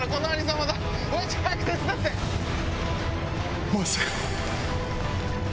まさか！